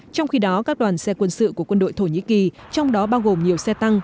trong khi đó các đoàn xe quân sự của quân đội thổ nhĩ kỳ trong đó bao gồm nhiều xe tăng